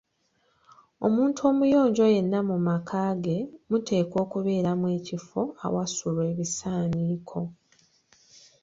Omuntu omuyonjo yenna mu maka ge muteekwa okubeeramu ekifo awasuulwa ebisaaniiko.